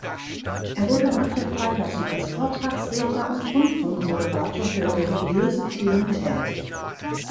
Er wurde nach der Freilassung als Vortragsredner und Rundfunkmoderator für religiöse Themen tätig.